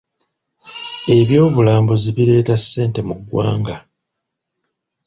Eby'obulambuzi bireeta ssente mu ggwanga.